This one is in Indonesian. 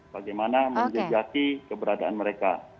bagaimana menjajati keberadaan mereka